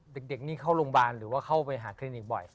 เด็กนี่เข้าโรงพยาบาลหรือว่าเข้าไปหาคลินิกบ่อย